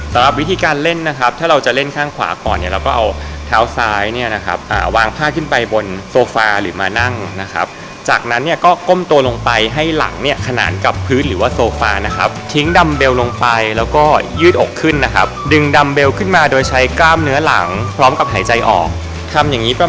สำหรับวิธีการเล่นนะครับถ้าเราจะเล่นข้างขวาก่อนเนี่ยเราก็เอาเท้าซ้ายเนี่ยนะครับอ่าวางผ้าขึ้นไปบนโซฟาหรือมานั่งนะครับจากนั้นเนี่ยก็ก้มตัวลงไปให้หลังเนี่ยขนานกับพื้นหรือว่าโซฟานะครับทิ้งดำเบลลงไปแล้วก็ยืดอกขึ้นนะครับดึงดำเบลขึ้นมาโดยใช้กล้ามเนื้อหลังพร้อมกับหายใจออกทำอย่างงี้ป